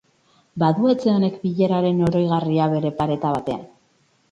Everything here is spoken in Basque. Badu etxe honek bileraren oroigarria bere pareta batean.